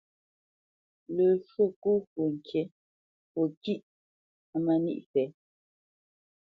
Lə́ shwô ŋkó fwo kîʼ á má níʼ fɛ̌.